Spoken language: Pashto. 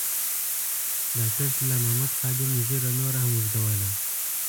ډاکټر طلا محمد خادم ږیره نوره هم اوږدوله.